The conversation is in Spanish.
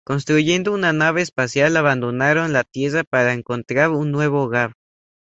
Construyendo una nave espacial, abandonaron la Tierra para encontrar un nuevo hogar.